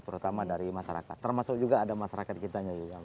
terutama dari masyarakat termasuk juga ada masyarakat kitanya juga